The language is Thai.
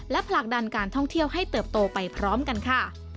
และผลักดันการท่องเที่ยวให้เติบโตไปพร้อมกันค่ะ